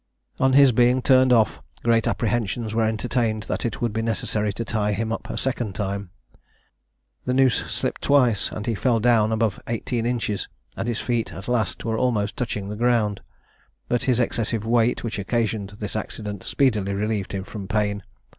On his being turned off, great apprehensions were entertained that it would be necessary to tie him up a second time. The noose slipped twice, and he fell down above eighteen inches, and his feet at last were almost touching the ground; but his excessive weight, which occasioned this accident, speedily relieved him from pain.